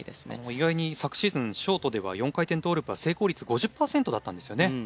意外に昨シーズンショートでは４回転トーループは成功率５０パーセントだったんですよね。